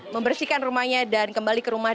membersihkan rumahnya dan kembali ke rumah